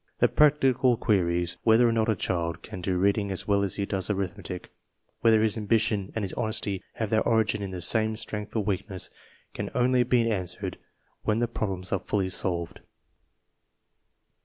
The practical queries whether or not a child can do reading as well as he does arithmetic, whether his ambition and his honesty have their origin in the same strength or weakness, can only be answered when these problems are fully solved.